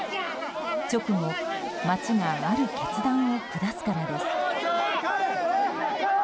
直後、町がある決断を下すからです。